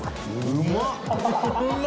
うまっ！